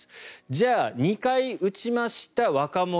じゃあ２回打ちました、若者。